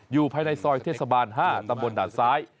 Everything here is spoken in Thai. อยู่ในซอยเทศบาล๕ตำบลด่านซ้าย